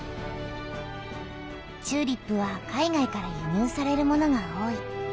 チューリップは海外からゆにゅうされるものが多い。